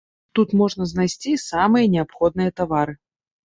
Тут можна знайсці самыя неабходныя тавары.